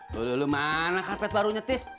tuh dulu mana karpet barunya tis